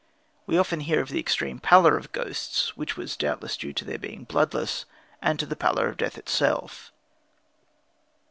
We often hear of the extreme pallor of ghosts, which was doubtless due to their being bloodless and to the pallor of death itself.